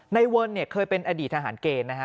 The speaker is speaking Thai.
ในเวิร์นเนี่ยเคยเป็นอดีตทหารเกณฑ์นะฮะ